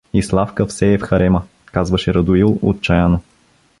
И Славка все е в харема… — казваше Радоил отчаяно.